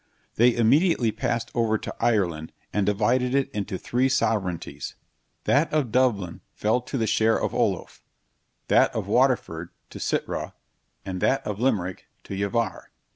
They immediately passed over to Ireland, and divided it into three sovereignties; that of Dublin fell to the share of Olauf; that of Waterford to Sitrih; and that of Limerick to Yivar.